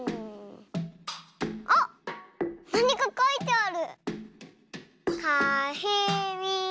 あっなにかかいてある。